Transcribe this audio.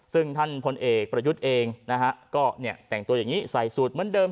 ซึ่งท่านพลเอกประยุทธ์เองนะฮะก็แต่งตัวอย่างนี้ใส่สูตรเหมือนเดิม